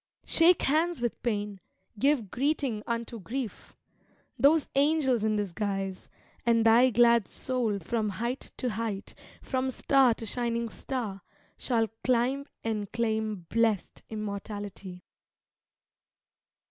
Shake hands with Pain, give greeting unto Grief, Those angels in disguise, and thy glad soul From height to height, from star to shining star, Shall climb and claim blest immortality.